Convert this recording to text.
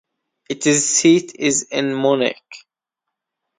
Its seat is in Munich.